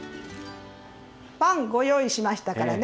パンご用意しましたからね